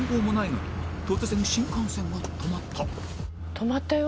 止まったよ？